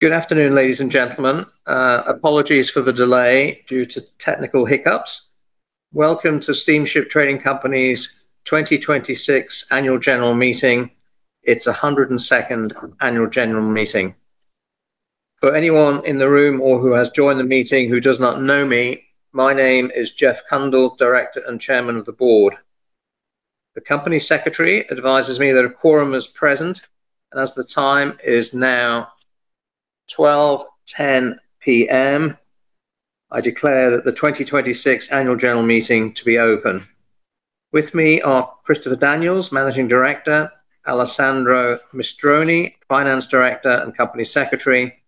Good afternoon, ladies and gentlemen. Apologies for the delay due to technical hiccups. Welcome to Steamships Trading Company's 2026 Annual General Meeting. It's the 102nd annual general meeting. For anyone in the room or who has joined the meeting who does not know me, my name is Geoff Cundle, Director and Chairman of the Board. The company secretary advises me that a quorum is present, and as the time is now 12:10 P.M., I declare that the 2026 annual general meeting is open. With me are Chris Daniells, Managing Director, Alessandro Mistroni, Finance Director, and Company Secretary.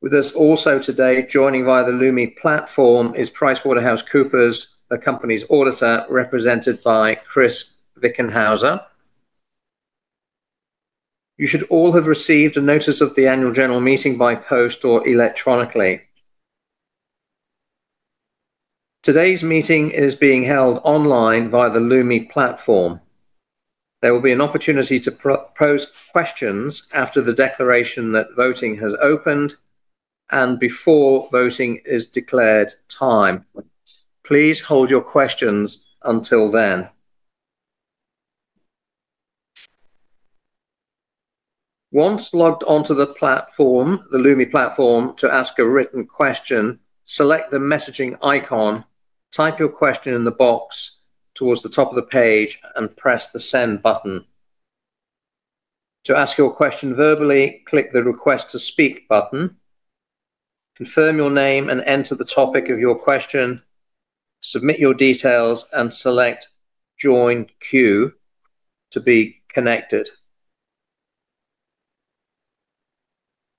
With us also today, joining via the Lumi platform, is PricewaterhouseCoopers, the company's auditor, represented by Chris Wickenhauser. You should all have received a notice of the annual general meeting by post or electronically. Today's meeting is being held online via the Lumi platform. There will be an opportunity to pose questions after the declaration that voting has opened and before voting is declared timed. Please hold your questions until then. Once logged on to the platform, the Lumi platform, to ask a written question, select the messaging icon, type your question in the box towards the top of the page, and press the send button. To ask your question verbally, click the Request to Speak button, confirm your name, and enter the topic of your question. Submit your details and select Join Queue to be connected.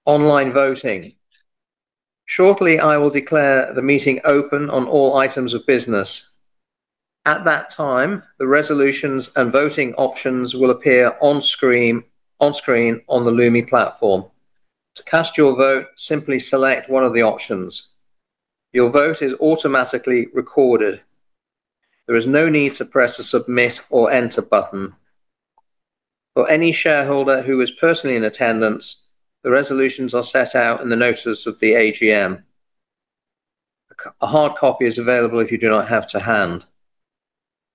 Online voting. Shortly, I will declare the meeting open on all items of business. At that time, the resolutions and voting options will appear on screen on the Lumi platform. To cast your vote, simply select one of the options. Your vote is automatically recorded. There is no need to press the submit or enter button. For any shareholder who is personally in attendance, the resolutions are set out in the notice of the AGM. A hard copy is available if you do not have to hand.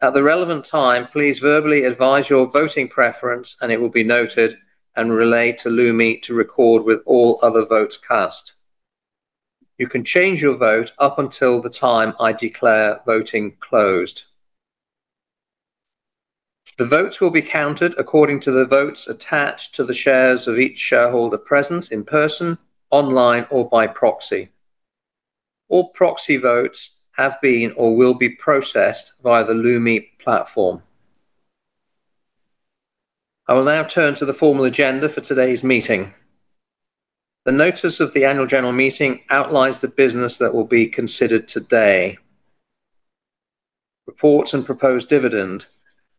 At the relevant time, please verbally advise your voting preference, and it will be noted and relayed to Lumi to record with all other votes cast. You can change your vote up until the time I declare voting closed. The votes will be counted according to the votes attached to the shares of each shareholder present in person, online, or by proxy. All proxy votes have been or will be processed via the Lumi platform. I will now turn to the formal agenda for today's meeting. The notice of the annual general meeting outlines the business that will be considered today. Reports and proposed dividend.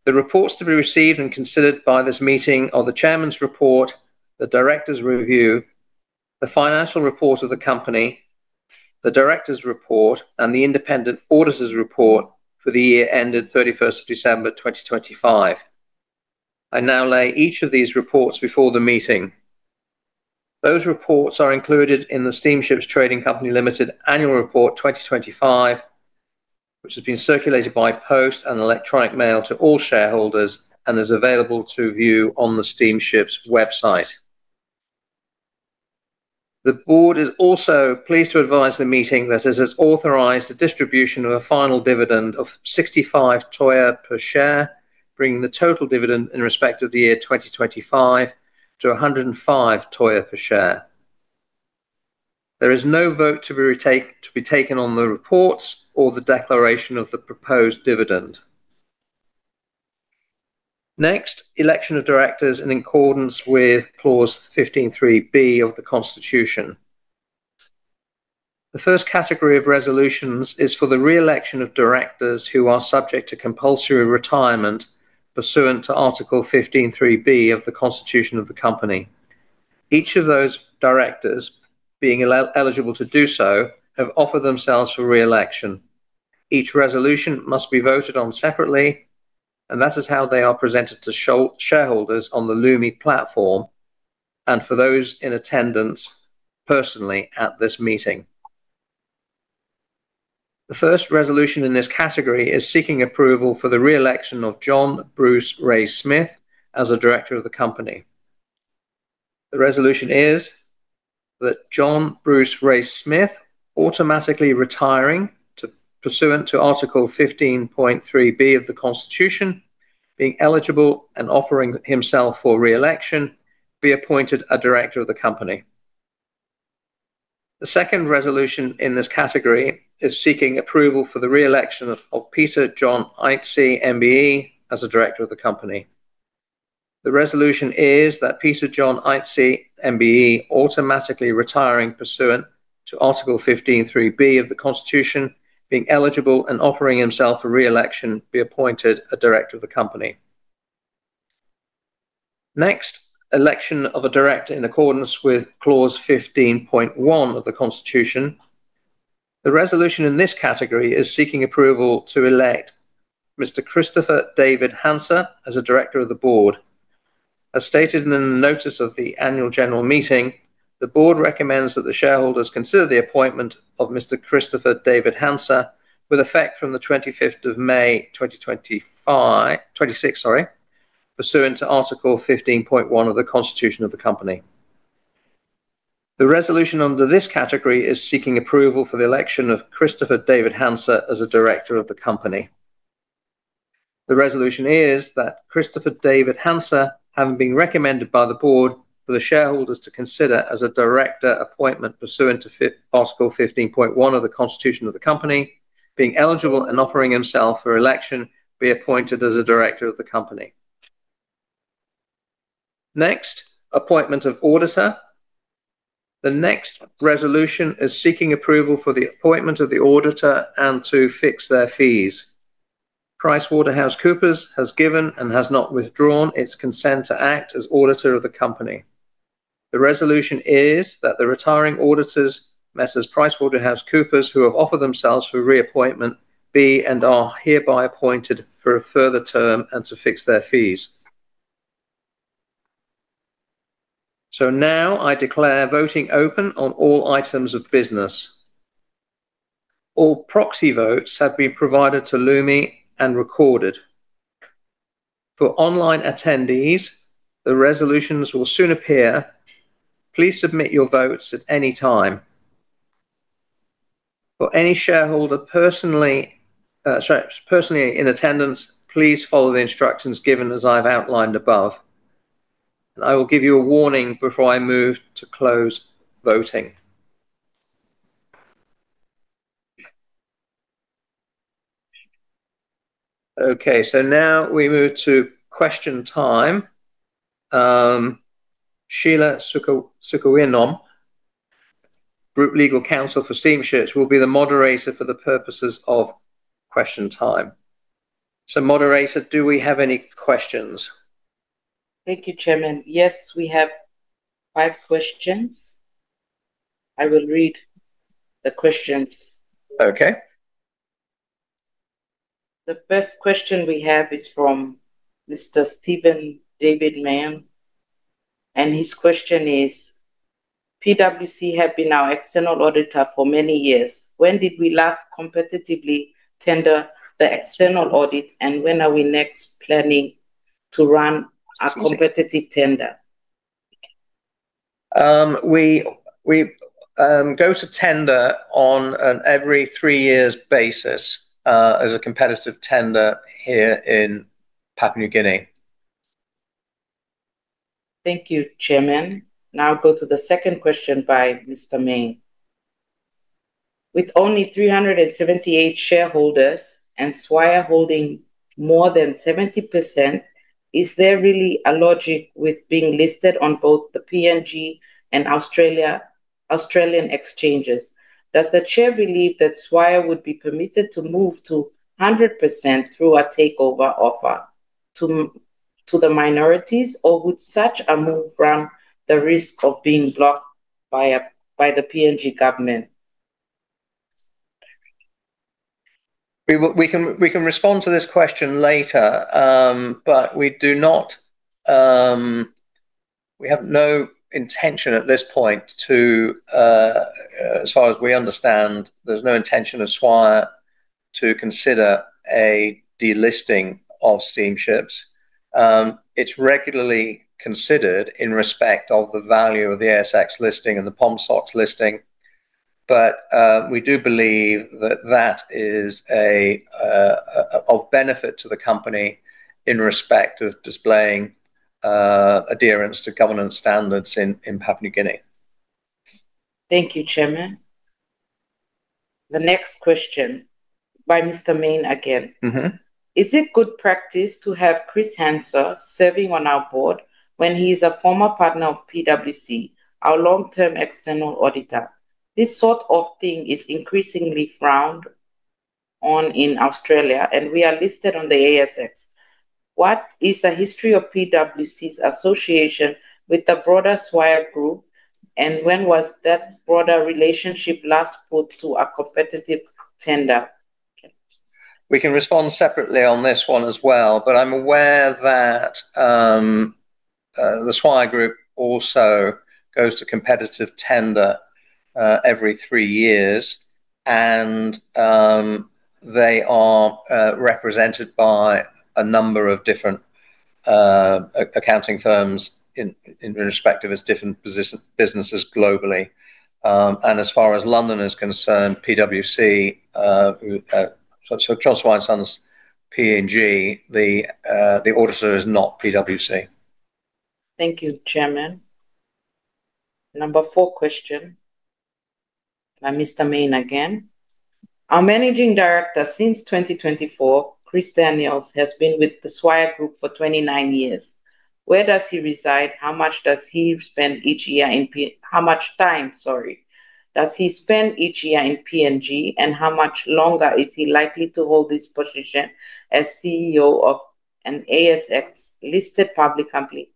The reports to be received and considered by this meeting are the Chairman's Report, the Director's Review, the Financial Report of the Company, the Director's Report, and the Independent Auditor's Report for the year ended December 31st, 2025. I now lay each of these reports before the meeting. Those reports are included in the Steamships Trading Company Limited Annual Report 2025, which has been circulated by post and electronic mail to all shareholders and is available to view on the Steamships website. The board is also pleased to advise the meeting that it has authorized the distribution of a final dividend of 65 toea per share, bringing the total dividend in respect of the year 2025 to 105 toea per share. There is no vote to be taken on the reports or the declaration of the proposed dividend. Next, the election of directors in accordance with Clause 15.3B of the Constitution. The first category of resolutions is for the re-election of directors who are subject to compulsory retirement pursuant to Article 15.3B of the Constitution of the Company. Each of those directors, being eligible to do so, has offered themselves for re-election. Each resolution must be voted on separately, and this is how they are presented to shareholders on the Lumi platform, and for those in attendance personally at this meeting. The first resolution in this category is seeking approval for the re-election of John Bruce Rae-Smith as a Director of the Company. The resolution is that John Bruce Rae-Smith, automatically retiring pursuant to Article 15.3B of the Constitution, being eligible and offering himself for re-election, be appointed a Director of the Company. The second resolution in this category is seeking approval for the re-election of Peter John Aitsi, MBE, as a Director of the Company. The resolution is that Peter John Aitsi MBE, automatically retiring pursuant to Article 15.3B of the Constitution, being eligible and offering himself for re-election, be appointed a Director of the Company. Election of a director in accordance with Clause 15.1 of the Constitution. The resolution in this category is seeking approval to elect Mr. Christopher David Hansa as a Director of the Board. As stated in the notice of the annual general meeting, the Board recommends that the shareholders consider the appointment of Mr. Christopher David Hansa with effect from May 25th, 2026, pursuant to Article 15.1 of the Constitution of the Company. The resolution under this category is seeking approval for the election of Christopher David Hansa as a Director of the Company. The resolution is that Christopher David Hansa, having been recommended by the board for the shareholders to consider as a director appointment pursuant to Article 15.1 of the Constitution of the company, being eligible and offering himself for election, be appointed as a director of the company. Next, appointment of auditor. The next resolution is seeking approval for the appointment of the auditor and to fix their fees. PricewaterhouseCoopers has given and has not withdrawn its consent to act as auditor of the company. The resolution is that the retiring auditors, Messrs PricewaterhouseCoopers, who have offered themselves for reappointment, be and are hereby appointed for a further term and to fix their fees. Now I declare voting open on all items of business. All proxy votes have been provided to Lumi and recorded. For online attendees, the resolutions will soon appear. Please submit your votes at any time. For any shareholder personally in attendance, please follow the instructions given as I've outlined above. I will give you a warning before I move to close voting. Now we move to question time. Sheila Sukwianomb, group legal counsel for Steamships, will be the moderator for the purposes of question time. Moderator, do we have any questions? Thank you, Chairman. Yes, we have five questions. I will read the questions. Okay. The first question we have is from Mr. Stephen David Mayne. His question is, PwC has been our external auditor for many years. When did we last competitively tender the external audit, and when are we next planning to run a competitive tender? We go to tender on an every three years basis as a competitive tender here in Papua New Guinea. Thank you, Chairman. Now I'll go to the second question by Mr. Mayne. With only 378 shareholders and Swire holding more than 70%, is there really a logic with being listed on both the PNG and Australian exchanges? Does the Chair believe that Swire would be permitted to move to 100% through a takeover offer to the minorities, or would such a move run the risk of being blocked by the PNG government? We can respond to this question later. We have no intention at this point. As far as we understand, there's no intention of Swire to consider a delisting of Steamships. It's regularly considered in respect of the value of the ASX listing and the PNG listing. We do believe that is of benefit to the company in respect of displaying adherence to governance standards in Papua New Guinea. Thank you, Chairman. The next question by Mr. Mayne again. Is it good practice to have Chris Hansa serving on our board when he is a former partner of PwC, our long-term external auditor? This sort of thing is increasingly frowned on in Australia, and we are listed on the ASX. What is the history of PwC's association with the broader Swire Group, and when was that broader relationship last put to a competitive tender? We can respond separately on this one as well, but I'm aware that the Swire Group also goes to competitive tender every three years and they are represented by a number of different accounting firms in respective as different businesses globally. As far as London is concerned, PwC, so John Swire & Sons PNG, the auditor is not PwC. Thank you, Chairman. Number four question by Mr. Main again. Our Managing Director since 2024, Chris Daniells, has been with the Swire Group for 29 years. Where does he reside? How much time, sorry, does he spend each year in PNG, and how much longer is he likely to hold this position as CEO of an ASX-listed public company,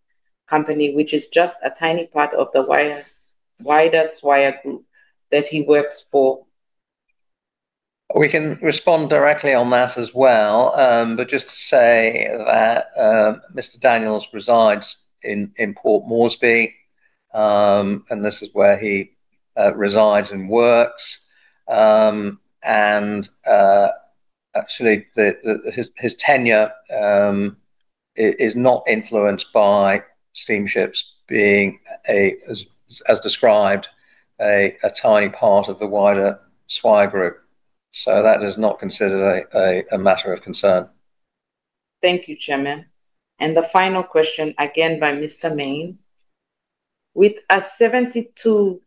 which is just a tiny part of the wider Swire Group that he works for. We can respond directly on that as well. Just to say that Mr. Daniells resides in Port Moresby, and this is where he resides and works. Actually, his tenure is not influenced by Steamships being, as described, a tiny part of the wider Swire Group. That is not considered a matter of concern. Thank you, Chairman. The final question, again, by Mr. Main. With a 72%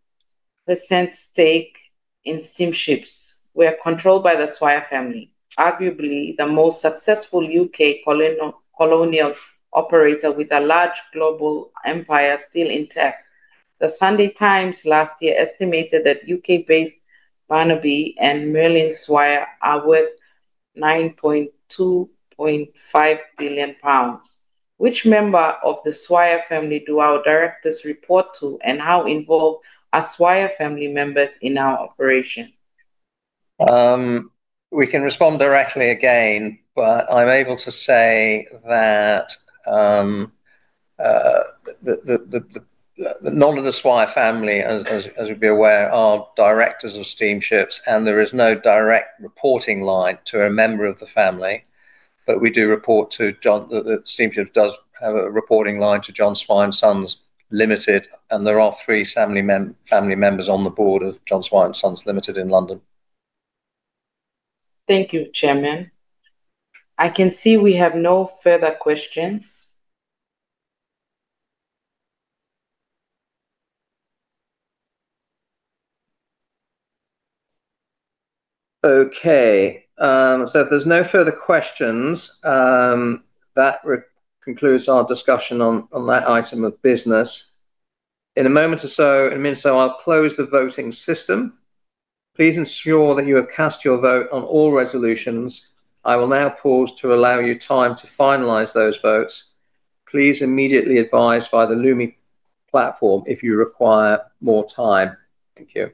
stake in Steamships, we are controlled by the Swire family, arguably the most successful U.K. colonial operator with a large global empire still intact. The Sunday Times last year estimated that U.K.-based Barnaby and Merlin Swire are worth £ 9.25 billion. Which member of the Swire family do our directors report to, and how involved are Swire family members in our operation? We can respond directly again, but I'm able to say that none of the Swire family, as we'd be aware, are directors of Steamships, and there is no direct reporting line to a member of the family. Steamships does have a reporting line to John Swire & Sons Limited, and there are three family members on the board of John Swire & Sons Limited in London. Thank you, Chairman. I can see we have no further questions. Okay. If there's no further questions, that concludes our discussion on that item of business. In a moment or so, I'll close the voting system. Please ensure that you have cast your vote on all resolutions. I will now pause to allow you time to finalize those votes. Please immediately advise via the Lumi platform if you require more time. Thank you.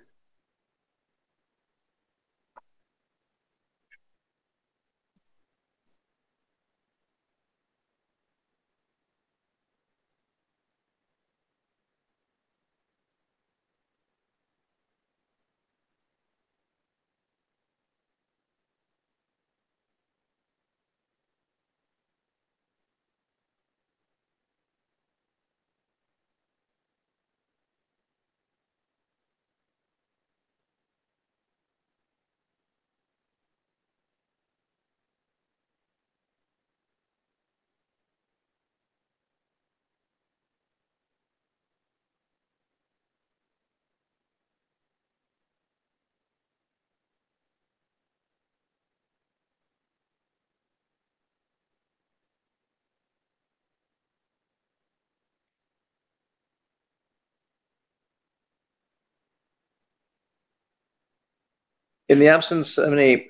In the absence of any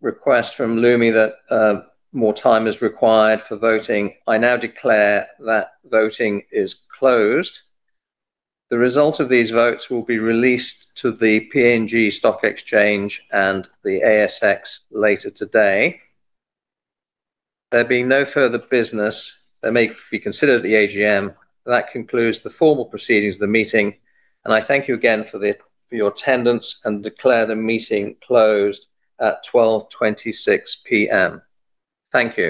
requests from Lumi that more time is required for voting, I now declare that voting is closed. The result of these votes will be released to the PNGX Markets Limited and the ASX later today. There being no further business that may be considered at the AGM, that concludes the formal proceedings of the meeting. I thank you again for your attendance and declare the meeting closed at 12:26 PM. Thank you.